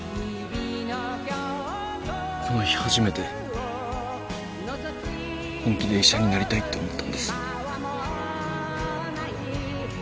この日初めて本気で医者になりたいって思ったんです。